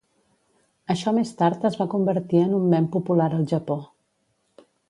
Això més tard es va convertir en un mem popular al Japó.